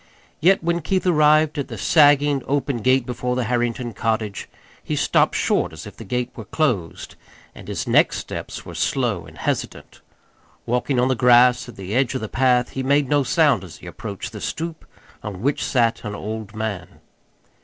Yet when Keith arrived at the sagging, open gate before the Harrington cottage, he stopped short as if the gate were closed; and his next steps were slow and hesitant. Walking on the grass at the edge of the path he made no sound as he approached the stoop, on which sat an old man.